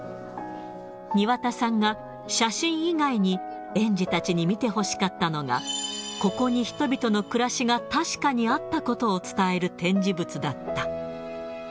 庭田さんが、写真以外に園児たちに見てほしかったのが、ここに人々の暮らしが確かにあったことを伝える展示物だった。